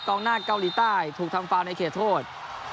หน้าเกาหลีใต้ถูกทำฟาวในเขตโทษ